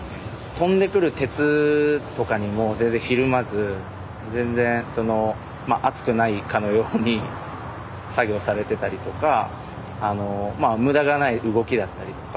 飛んでくる鉄とかにも全然ひるまず全然その熱くないかのように作業されてたりとかまあ無駄がない動きだったりとか。